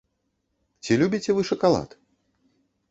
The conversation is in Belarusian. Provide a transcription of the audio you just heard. Ці любіце вы шакалад?